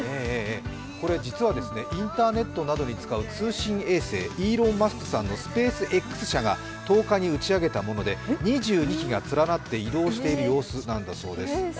これ、実はインターネットなどに使う通信衛星、イーロン・マスクさんのスペースＸ社が１０日に打ち上げたもので、２２基が連なって移動している様子なんです。